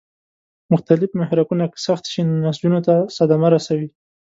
مختلف محرکونه که سخت شي نو نسجونو ته صدمه رسوي.